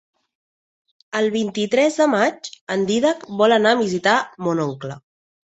El vint-i-tres de maig en Dídac vol anar a visitar mon oncle.